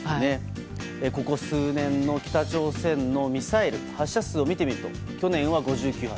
ここ数年の北朝鮮のミサイル発射数を見てみると去年は５９発